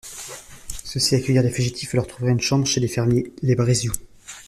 Ceux-ci accueillirent les fugitives et leur trouvèrent une chambre chez des fermiers, les Brezioux.